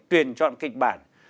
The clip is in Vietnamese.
truyền chọn kịch bản